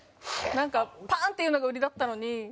なんかパーンっていうのが売りだったのに。